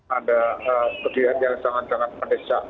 ada keadaan yang sangat sangat menesak